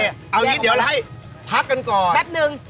เอาอย่างนี้เดี๋ยวเราให้พักกันก่อนแป๊บนึง